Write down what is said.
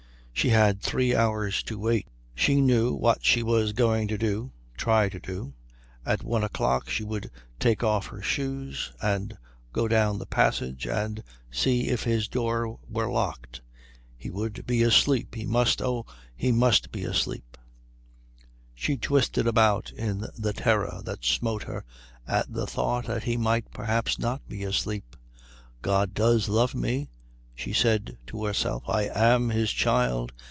She had three hours to wait. She knew what she was going to do, try to do. At one o'clock she would take off her shoes and go down the passage and see if his door were locked. He would be asleep. He must, oh, he must be asleep she twisted about in the terror that smote her at the thought that he might perhaps not be asleep.... "God does love me," she said to herself, "I am His child.